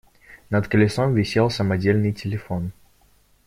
Над колесом висел самодельный телефон.